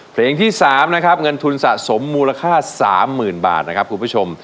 เพลงที่๓นะครับเงินทุนสะสมมูลค่า๓๐๐๐บาทนะครับคุณผู้ชม